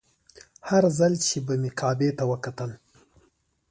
هر ځل چې به مې کعبې ته وکتل.